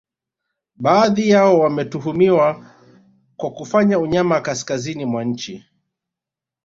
Baadhi yao wametuhumiwa kwa kufanya unyama kaskazini mwa nchi